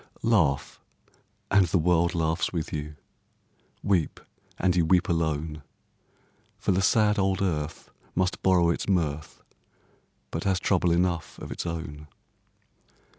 Laugh, and the world laughs with you; Weep, and you weep alone; For the sad old earth must borrow its mirth, But has trouble enough of its own.